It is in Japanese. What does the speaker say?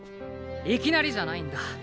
いきなりじゃないんだ。